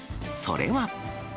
それは。